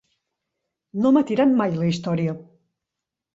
No m'ha tirat mai la història.